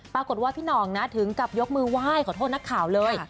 ปรากฏว่าพี่หน่องนะถึงกับยกมือไหว้ขอโทษนักข่าวเลย